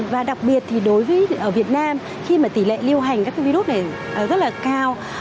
và đặc biệt thì đối với ở việt nam khi mà tỷ lệ lưu hành các virus này rất là cao